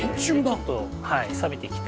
ちょっとさびてきた。